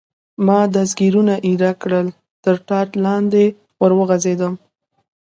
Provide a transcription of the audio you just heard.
ما دستګیرونه ایله کړل، تر ټاټ لاندې ور وغورځېدم.